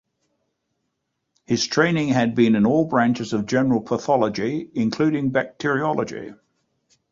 His training had been in all branches of general pathology including bacteriology.